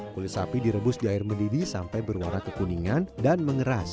kulit sapi direbus di air mendidih sampai berwarna kekuningan dan mengeras